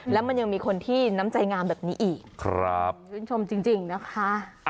แล้วมันยังมีคนที่น้ำใจงามแบบนี้อีกชื่นชมจริงนะคะ